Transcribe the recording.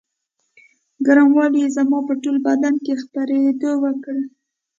ګرموالي یې زما په ټول بدن کې خپرېدو وکړې.